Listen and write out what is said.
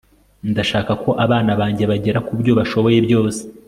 ndashaka ko abana banjye bagera kubyo bashoboye byose